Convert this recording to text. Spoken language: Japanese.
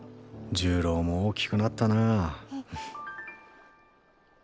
重郎も大きくなったな。